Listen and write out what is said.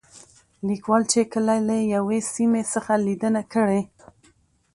ليکوال چې کله له يوې سيمې څخه ليدنه کړې